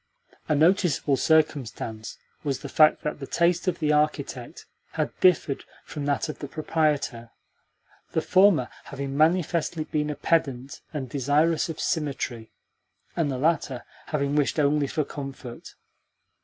A noticeable circumstance was the fact that the taste of the architect had differed from that of the proprietor the former having manifestly been a pedant and desirous of symmetry, and the latter having wished only for comfort.